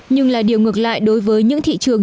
nhưng là điều ngược lại đối với những thị trường